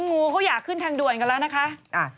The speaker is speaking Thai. งูเขาอยากขึ้นทางด่วนกันแล้วนะคะ